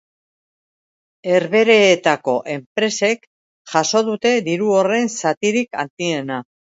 Herbehereetako enpresek jaso dute diru horren zatirik handiena